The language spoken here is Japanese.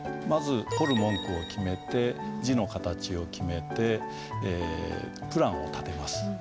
まず彫る文句を決めて字の形を決めてプランを立てます。